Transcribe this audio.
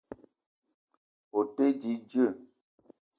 O te di dzeu